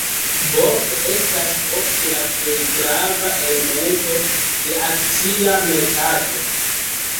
Borso estas ofte la plej grava elemento de akcia merkato.